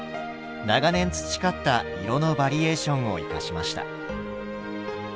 長年培った色のバリエーションを生かしました。